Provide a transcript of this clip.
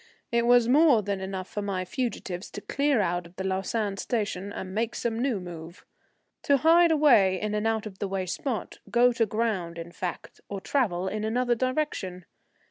It was more than enough for my fugitives to clear out of the Lausanne station and make some new move, to hide away in an out of the way spot, go to ground in fact, or travel in another direction.